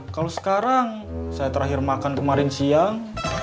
kalau sekarang saya terakhir makan kemarin siang